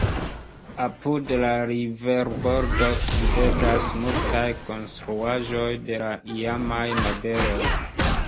Apud la riverbordo videblas multaj konstruaĵoj de la iamaj nobeloj.